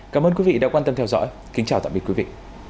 cảm ơn quý vị đã quan tâm theo dõi kính chào tạm biệt quý vị